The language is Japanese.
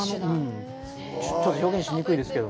ちょっと表現しにくいですけど。